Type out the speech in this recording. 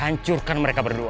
hancurkan mereka berdua